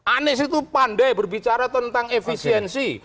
anies itu pandai berbicara tentang efisiensi